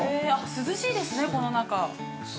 ◆涼しいですね、この中。